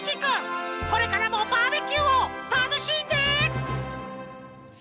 これからもバーベキューをたのしんで！